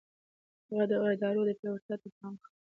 هغه د ادارو پياوړتيا ته پام وکړ.